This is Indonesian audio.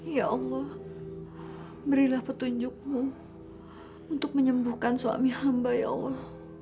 ya allah berilah petunjukmu untuk menyembuhkan suami hamba ya allah